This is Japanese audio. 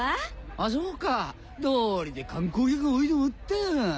あっそうかどうりで観光客が多いと思ったよ。